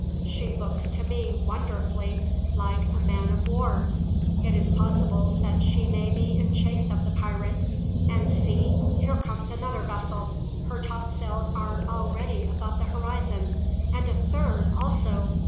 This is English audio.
"She looks to me wonderfully like a man of war. It is possible that she may be in chase of the pirate. And see, here comes another vessel, her topsails are already above the horizon and a third also!